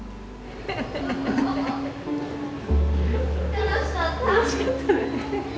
楽しかった！